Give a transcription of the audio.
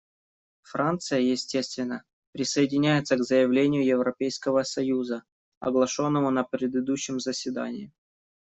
Франция, естественно, присоединяется к заявлению Европейского союза, оглашенному на предыдущем заседании.